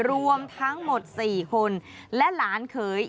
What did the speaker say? รวมทั้งหมด๔คนและหลานเขย